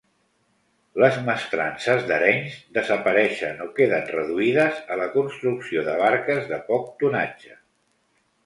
Les mestrances d'Arenys desapareixen o queden reduïdes a la construcció de barques de poc tonatge.